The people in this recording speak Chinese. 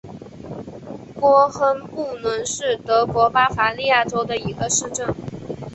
霍亨布伦是德国巴伐利亚州的一个市镇。